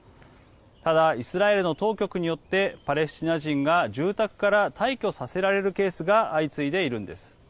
ただ、イスラエルの当局によってパレスチナ人が住宅から退去させられるケースが相次いでいるんです。